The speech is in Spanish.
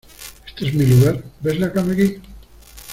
Éste es mi lugar, ¿ ves la cama aquí?